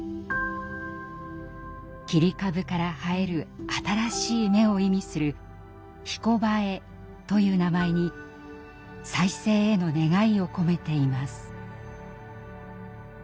切り株から生える新しい芽を意味する「ひこばえ」という名前に再生への願いを込めています。